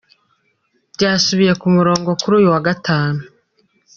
Byasubiye ku murongo kuri uyu wa Gatanu.